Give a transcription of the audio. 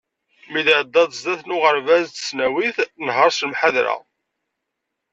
Mi d-tɛeddaḍ sdat n uɣerbaz d tesnawit, nher s lemḥadra.